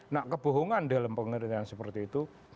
nah kebohongan dalam pengertian seperti itu